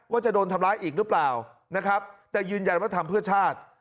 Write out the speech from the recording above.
ว่าจะโดนทำร้ายอีกหรือเปล่านะครับแต่ยืนยันว่าทำเพื่อชาติ